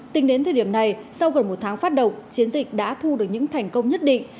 tính đến thời điểm này sau gần một tháng phát động chiến dịch đã thu được những thành công nhất định